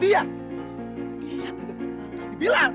dia tidak harus dibilang